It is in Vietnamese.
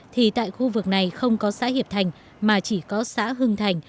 thì tại khu vực này không có xã hiệp thành mà chỉ có xã hưng thành